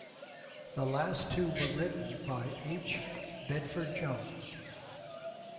The last two were written by H. Bedford-Jones.